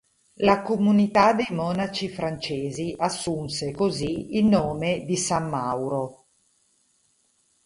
La comunità dei monaci francesi assunse, così, il nome di San Mauro.